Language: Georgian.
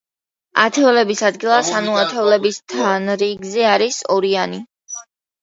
ათეულების ადგილას, ანუ ათეულების თანრიგზე არის ორიანი.